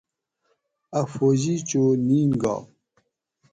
اَ فوجی چو نین گا